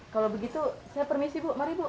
kalau begitu saya permisi bu mari bu